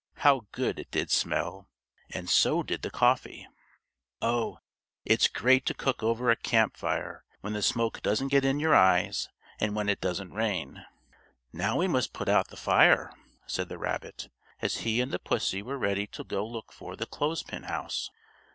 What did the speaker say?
how good it did smell, and so did the coffee! Oh! it's great to cook over a camp fire when the smoke doesn't get in your eyes and when it doesn't rain. "Now we must put out the fire," said the rabbit, as he and the pussy were ready to go look for the clothespin house.